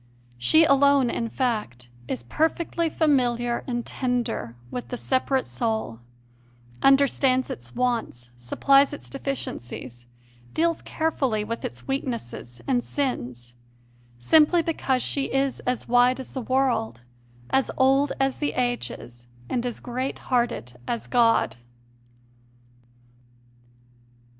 She alone, in fact, is perfectly familiar and tender with the separate soul, understands its wants, supplies its deficiencies, deals carefully with its weaknesses and sins; simply because she is as wide as the world, as old as the ages, and as great hearted as God.